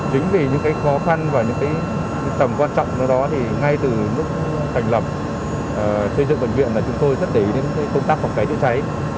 chính vì những cái khó khăn và những cái trầm quan trọng đó thì ngay từ lúc thành lập xây dựng bệnh viện là chúng tôi rất để ý đến công tác phòng cháy chữa cháy